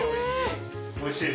おいしい！